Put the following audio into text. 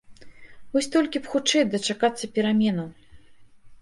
Вось толькі б хутчэй дачакацца пераменаў.